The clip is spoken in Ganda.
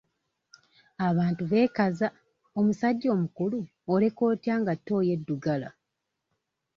Abantu beekaza omusajja omukulu oleka otya nga ttooyi eddugala?